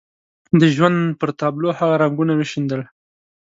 د ژوند پر تابلو هغه رنګونه وشيندل.